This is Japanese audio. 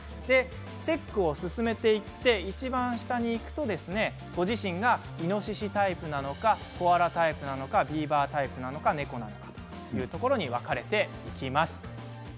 チェックを進めていっていちばん下にいくとご自身がイノシシタイプなのかコアラタイプなのかビーバータイプなのかネコタイプなのかというところに分かれていきます。